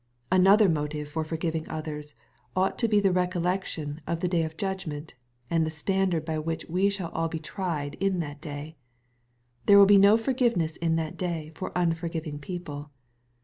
Another motive for forgiving others, ought to be the recollection of the day of judgment, and the standard by which we shall all be tried in that day. There will be no forgiveness in that day for unforgiving people.